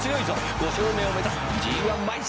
「５勝目を目指すＧⅠマイスターだ」